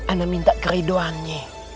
anak minta keridoannya